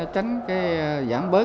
tránh cái giảm bớt